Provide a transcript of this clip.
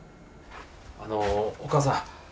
あのお母さん